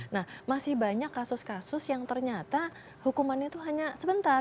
nah masih banyak kasus kasus yang ternyata hukumannya itu hanya sebentar